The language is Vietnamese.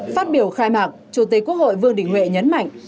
phát biểu khai mạc chủ tịch quốc hội vương đình huệ nhấn mạnh